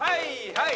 はい！